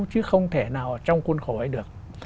chứ không thể nào trong khuôn khổ ấy được